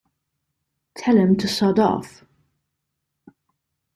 Tell him to Sod Off!